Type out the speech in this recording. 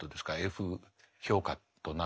Ｆ評価となると。